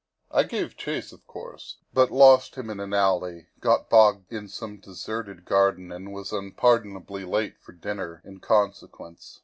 I gave chase, of course, but lost him in an alley, got bogged in some deserted garden, and was unpardonably late for dinner in consequence.